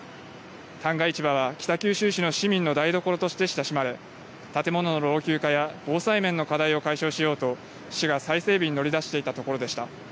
旦過市場は北九州市の市民の台所として親しまれ、建物の老朽化や防災面の課題を解消しようと、市が再整備に乗り出していたところでした。